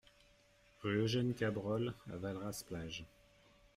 Rue Eugène Cabrol à Valras-Plage